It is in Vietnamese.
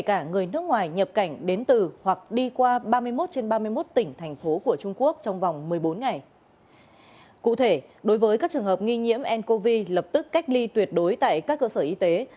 cụ thể đối với các trường hợp nghi nhiễm ncov lập tức cách ly tuyệt đối tại các cơ sở y tế